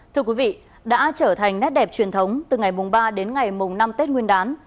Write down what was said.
thưa quý vị đã trở thành nét đẹp truyền thống từ ngày mùng ba đến ngày mùng năm tết nguyên đán